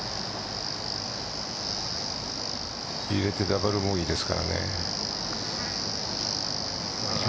入れてダブルボギーですからね。